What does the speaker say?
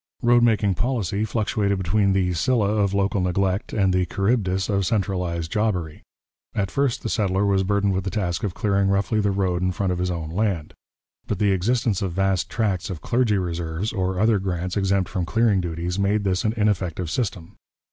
Road making policy fluctuated between the Scylla of local neglect and the Charybdis of centralized jobbery. At first the settler was burdened with the task of clearing roughly the road in front of his own land, but the existence of vast tracts of Clergy Reserves, or other grants exempt from clearing duties, made this an ineffective system.